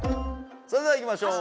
それではいきましょう。